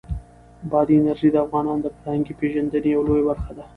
بادي انرژي د افغانانو د فرهنګي پیژندنې یوه لویه برخه ده.